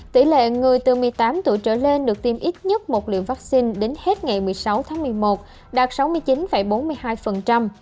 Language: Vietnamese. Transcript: tỷ lệ người từ một mươi tám tuổi trở lên được tiêm ít nhất một lượng vaccine đến hết ngày một mươi sáu tháng một mươi một đạt sáu mươi chín bốn mươi hai